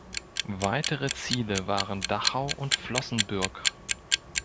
Weitere Ziele waren Dachau und Flossenbürg.